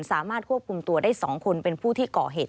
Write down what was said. สามารถควบคุมตัวได้๒คนเป็นผู้ที่ก่อเหตุ